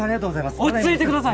ただいま落ち着いてください！